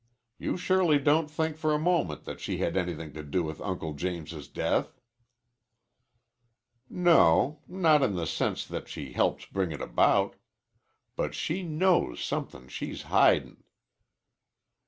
You surely don't think for a moment that she had anything to do with Uncle James's death." "No; not in the sense that she helped bring it about. But she knows somethin' she's hidin'."